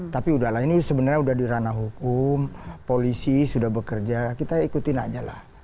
tapi udah lah ini sebenarnya udah dirana hukum polisi sudah bekerja kita ikutin aja lah